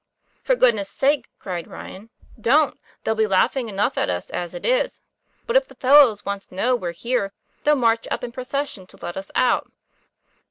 "For goodness' sake!" cried Ryan, "don't. There'll be laughing enough at us as it is. But if the fellows once know we're here, they'll march up in procession to let us out."